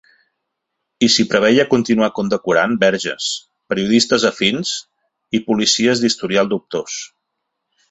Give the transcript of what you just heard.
I si preveia continuar condecorant verges, periodistes afins i policies d’historial dubtós.